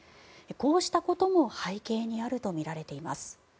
こうしたことも背景にあるとみられています。